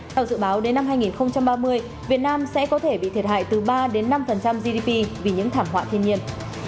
theo dự báo đến năm hai nghìn ba mươi việt nam sẽ có thể bị thiệt hại từ ba đến năm gdp vì những thảm họa thiên nhiên